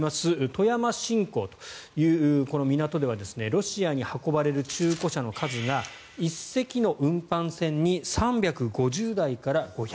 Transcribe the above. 富山新港という港ではロシアに運ばれる中古車の数が１隻の運搬船に３５０台から５００台。